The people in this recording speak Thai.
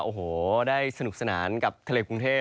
โอ้โหได้สนุกสนานกับทะเลกรุงเทพ